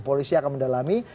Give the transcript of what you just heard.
polisi akan mendalami